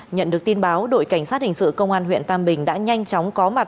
nhận được tin báo đội cảnh sát hình sự công an huyện tam bình đã nhanh chóng có mặt